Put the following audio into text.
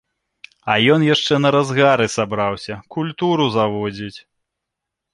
А ён яшчэ на разгары сабраўся, культуру заводзіць!